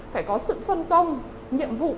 phải có sự phân công nhiệm vụ